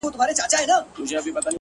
اوس دا يم ځم له خپلي مېني څخه،